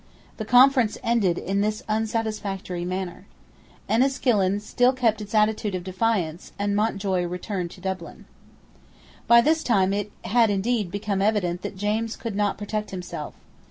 The conference ended in this unsatisfactory manner. Enniskillen still kept its attitude of defiance; and Mountjoy returned to Dublin, By this time it had indeed become evident that James could not protect himself.